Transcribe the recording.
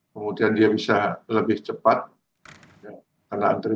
kemudian dia bisa lebih cepat karena antri